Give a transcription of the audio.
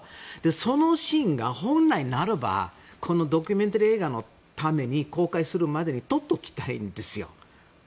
そのシーンが本来ならばこのドキュメンタリー映画を公開するまでにとっておきたいんですよ。